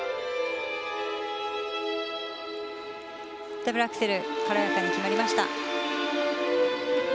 ダブルアクセル軽やかに決まりました。